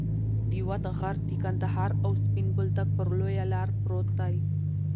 د وط غر د قندهار او سپین بولدک پر لویه لار پروت دی.